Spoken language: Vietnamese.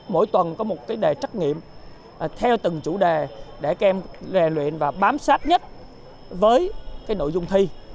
mỗi tuần có một cái đề trắc nghiệm theo từng chủ đề để các em luyện và bám sát nhất với nội dung thi